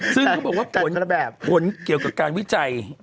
ซึ่งเขาบอกว่าผลเกี่ยวกับการวิจัย